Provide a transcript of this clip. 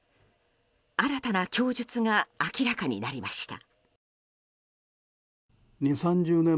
新たな供述が明らかになりました。